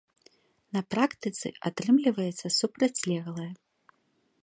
На практыцы атрымліваецца супрацьлеглае.